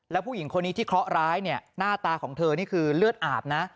แล้วผู้หญิงคนนี้ที่เคราะหร้ายเนี่ยหน้าตาของเธอนี่คือเลือดอาบนะ